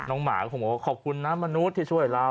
น้องหมาก็ขอบคุณนะมนุษย์ที่ช่วยเรา